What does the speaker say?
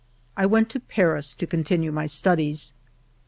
I went to Paris to continue my studies.